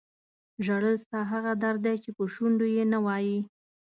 ژړل ستا هغه درد دی چې په شونډو یې نه وایې.